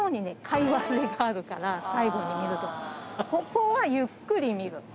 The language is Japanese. ここはゆっくり見る。